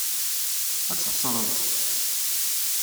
Ad txeṣreḍ.